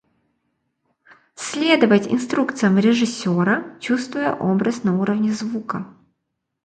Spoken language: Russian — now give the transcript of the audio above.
Следовать инструкциям режиссера, чувствуя образ на уровне звука.